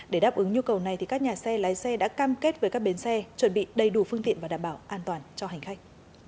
để đáp ứng nhu cầu này các nhà xe lái xe đã cam kết với các bến xe chuẩn bị đầy đủ phương tiện và đảm bảo an toàn cho hành khách